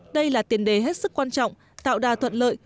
đây là tiền đề hết sức quan trọng tạo đà thuận lợi